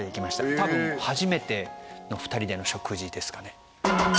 たぶん初めての２人での食事ですかね